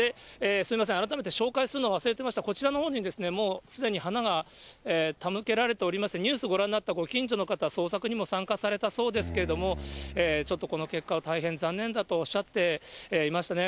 すみません、改めて紹介するの忘れてました、こちらのほうにもうすでに花が手向けられております、ニュースをご覧になったご近所の方、捜索にも参加されたそうですけれども、ちょっとこの結果は、大変残念だとおっしゃっていましたね。